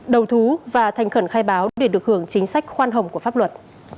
đầu thú và thành khẩn khai báo để được hưởng chính sách khoan hồng của pháp luật